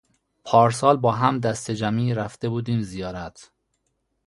پارسال با هم دسته جمعی رفته بودیم زیارت